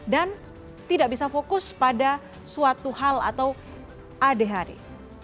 dan tidak bisa fokus pada suatu hal atau ade hari